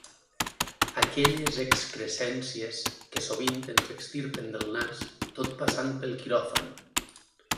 Aquelles excrescències que sovint ens extirpen del nas tot passant pel quiròfan.